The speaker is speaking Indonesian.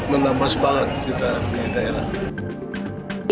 menambah semangat kita di daerah